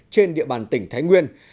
trên địa bàn tỉnh thái nguyên